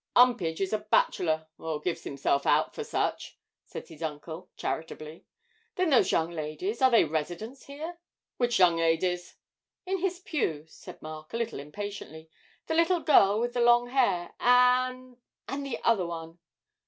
''Umpage is a bachelor, or gives himself out for such,' said his uncle, charitably. 'Then those young ladies are they residents here?' 'Which young ladies?' 'In his pew,' said Mark, a little impatiently, 'the little girl with the long hair, and and the other one?'